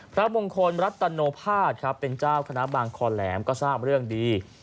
พระมงคลรัตโนภาษครับเป็นเจ้าคณะบางคอแหลมก็ทราบเรื่องดี